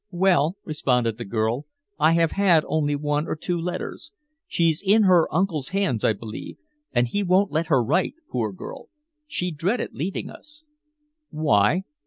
"Well," responded the girl, "I have had only one or two letters. She's in her uncle's hands, I believe, and he won't let her write, poor girl. She dreaded leaving us." "Why?"